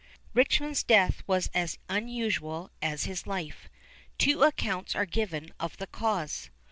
Richmond's death was as unusual as his life. Two accounts are given of the cause.